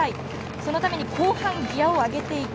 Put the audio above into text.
そのため、後半ギヤを上げていく。